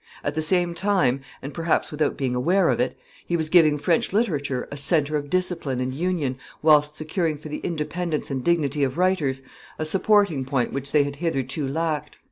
At the same time, and perhaps without being aware of it, he was giving French literature a centre of discipline and union whilst securing for the independence and dignity of writers a supporting point which they had hitherto lacked.